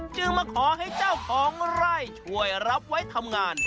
มาขอให้เจ้าของไร่ช่วยรับไว้ทำงาน